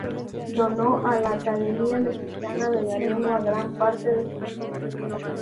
Donó a la Academia Mexicana de la Lengua gran parte de su biblioteca.